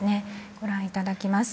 ご覧いただきます。